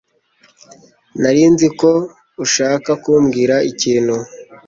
Nari nzi ko ushaka kumbwira ikintu.